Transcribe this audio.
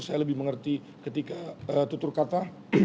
saya lebih mengerti ketika tutur kata